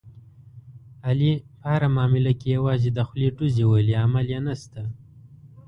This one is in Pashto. علي په هره معامله کې یوازې د خولې ډوزې ولي، عمل یې نشته.